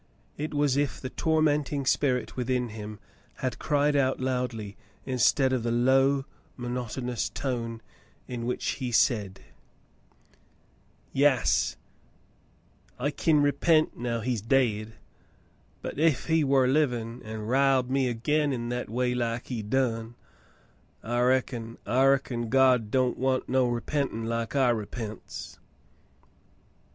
It was as if the tormenting spirit within him had cried out loudly, instead of the low, monotonous tone in which he said :— "Yas, I kin repent now he's dade, but ef he war livin' an' riled me agin that a way like he done — I reckon — I reckon God don't want no repentin' Hke I repents."